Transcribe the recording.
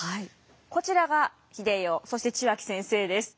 こちらが英世そして血脇先生です。